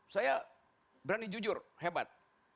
saya berani jujur hebat